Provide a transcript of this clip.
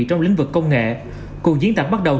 trong lĩnh vực công nghệ cuộc diễn tập bắt đầu